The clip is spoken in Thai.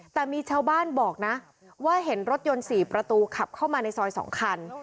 แต่มีชาวบ้านบอกนะว่าเห็นรถยนต์๔ประตูขับเข้ามาในซอย๒คัน